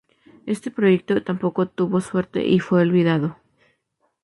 Este proyecto tampoco tuvo suerte y fue olvidado.